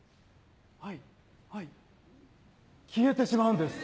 はいはい消えてしまうんです。